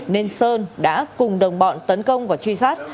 nên sơn đã cùng đồng bọn tấn công và truy sát